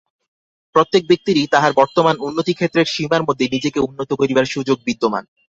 প্রত্যেক ব্যক্তিরই তাহার বর্তমান উন্নতিক্ষেত্রের সীমার মধ্যে নিজেকে উন্নত করিবার সুযোগ বিদ্যমান।